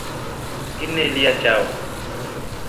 Nginielya chao.